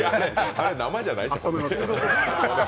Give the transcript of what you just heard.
あれ、生じゃないでしょ。